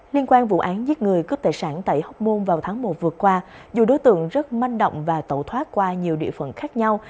liên quan vụ án giết người cướp tài sản tại hóc môn vào tháng một vừa qua dù đối tượng rất manh động và tẩu thoát qua nhiều địa phận khác nhau